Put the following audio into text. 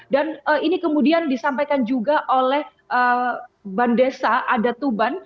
dan ini kemudian disampaikan juga oleh bandesa adatuban